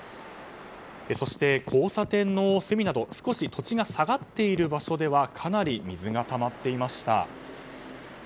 そして交差点の隅など少し土地が下がっている場所ではかなり水がたまっていました。